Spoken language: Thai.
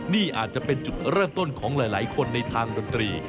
นี่อาจจะเป็นจุดเริ่มต้นของหลายคนในทางดนตรี